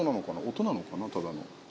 音なのかなただの。